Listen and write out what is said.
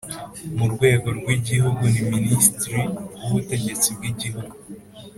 murwego rw' igihugu ni ministre w' ubutegetsi bw' igihugu